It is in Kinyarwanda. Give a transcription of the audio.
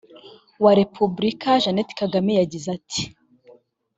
wa repubulika jeannette kagame yagize ati